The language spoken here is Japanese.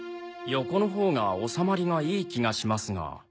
横の方が納まりがいい気がしますが。